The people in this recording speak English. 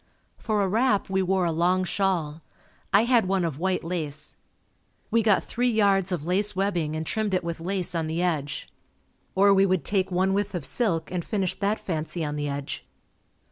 For a wrap we wore a long shawl. I had one of white lace. We got three yards of lace webbing and trimmed it with lace on the edge. Or we would take one width of silk and finish that fancy on the edge.